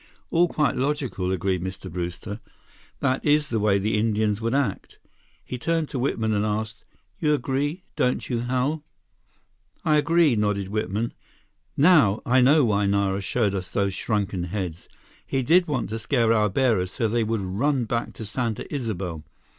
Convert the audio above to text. "All quite logical," agreed Mr. Brewster. "That is the way the Indians would act." He turned to Whitman and asked: "You agree, don't you, Hal?" "I agree," nodded Whitman. "Now I know why Nara showed us those shrunken heads. He did want to scare our bearers so they would run back to Santa Isabel.